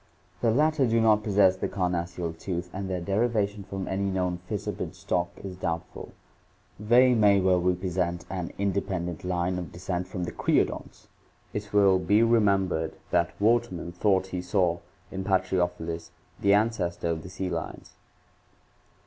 The latter do not possess the carnassial tooth (see page 551) and their derivation from any known fissiped stock is doubtful. They may well represent an independent line of descent from the creodonts. It will be remembered that Wortman thought he saw in Patriofelis the ancestor of the sea lions (page 552).